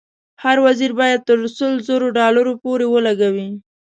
هر وزیر باید تر سلو زرو ډالرو پورې ولګوي.